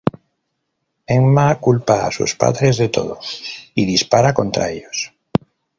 Emma culpa a sus padres de todo, y dispara contra ellos.